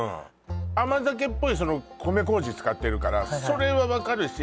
甘酒っぽいその米麹使ってるからそれは分かるし